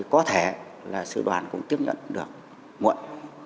có thể là sư đoàn cũng tiếp nhận được muộn